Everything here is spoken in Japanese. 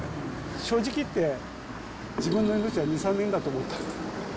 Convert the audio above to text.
正直言って、自分の命は２、３年だと思った。